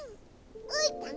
うーたん